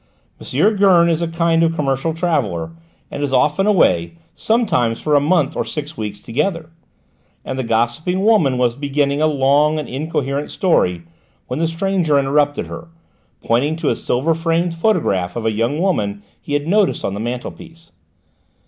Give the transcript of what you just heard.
"M. Gurn is a kind of commercial traveller and is often away, sometimes for a month or six weeks together," and the gossiping woman was beginning a long and incoherent story when the stranger interrupted her, pointing to a silver framed photograph of a young woman he had noticed on the mantelpiece.